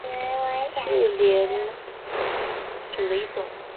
是帘蛤目鸟尾蛤科棘刺鸟蛤属的一种。